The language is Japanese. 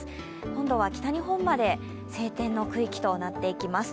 今度は北日本まで晴天の区域となっていきます。